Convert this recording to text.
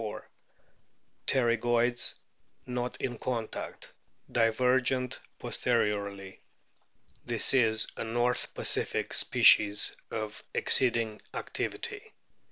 Pterygoids not in contact, divergent posteriorly. This is a North Pacific species of exceeding activity.